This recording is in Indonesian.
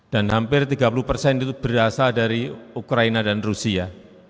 dan hampir tiga puluh persen itu berasal dari ukraina dan rusia